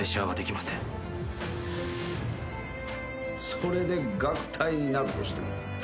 それでガクタイになるとしても？